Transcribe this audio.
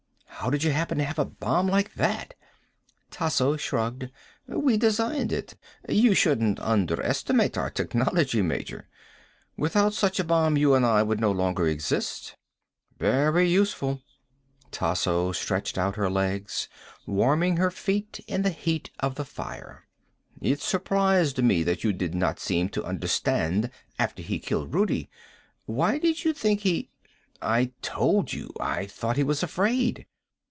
"How did you happen to have a bomb like that?" Tasso shrugged. "We designed it. You shouldn't underestimate our technology, Major. Without such a bomb you and I would no longer exist." "Very useful." Tasso stretched out her legs, warming her feet in the heat of the fire. "It surprised me that you did not seem to understand, after he killed Rudi. Why did you think he " "I told you. I thought he was afraid."